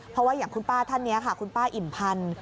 เพราะว่าอย่างคุณป้าท่านนี้ค่ะคุณป้าอิ่มพันธ์